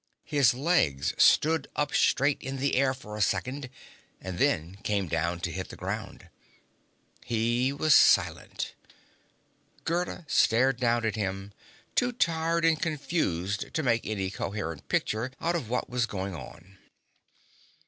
His legs stood up straight in the air for a second, and then came down to hit the ground. He was silent. Gerda stared down at him, too tired and confused to make any coherent picture out of what was going on.